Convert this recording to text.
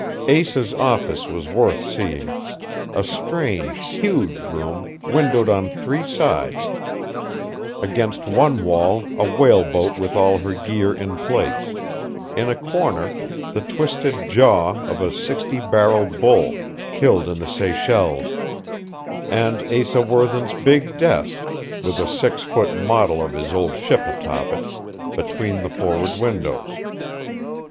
Asa's office was worth seeing; a strange, huge room, windowed on three sides; against one wall, a whaleboat with all her gear in place; in a corner, the twisted jaw of a sixty barrel bull, killed in the Seychelles; and Asa Worthen's big desk, with a six foot model of his old ship atop it, between the forward windows.